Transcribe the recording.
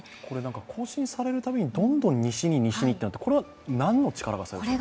更新されるたびにどんどん西に西にとなって、これは何の力がそうさせているんですか？